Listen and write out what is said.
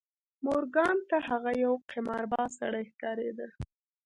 مورګان ته هغه یو قمارباز سړی ښکارېده